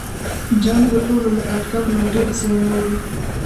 جنګ د ټولو له اټکل نه ډېر زیان اړوي.